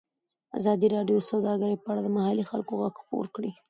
ازادي راډیو د سوداګري په اړه د محلي خلکو غږ خپور کړی.